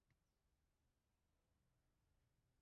Gohi Sheroz, goh Isfahon.